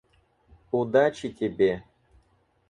Удачи тебе!